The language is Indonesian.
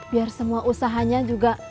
biar semua usahanya juga